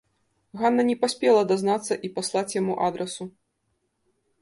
Ганна не паспела дазнацца і паслаць яму адрасу.